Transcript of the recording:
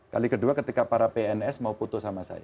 kali kedua ketika para pns mau foto sama saya